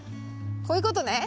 こういうことね。